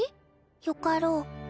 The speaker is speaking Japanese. よかろう。